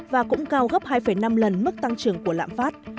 và cũng cao gấp hai năm lần mức tăng trưởng của lãm phát